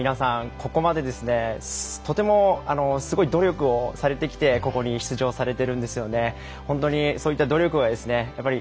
ここまでですね、とてもすごく努力をされてきてここに出場されているんですよね。